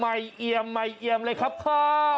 เอี่ยมใหม่เอียมเลยครับค่ะ